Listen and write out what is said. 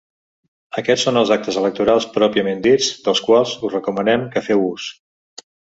Aquests són els actes electorals pròpiament dits dels quals us recomanem que feu ús.